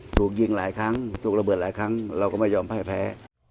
ถูกยิงหลายครั้งถูกระเบิดหลายครั้งเราก็ไม่ยอมพ่ายแพ้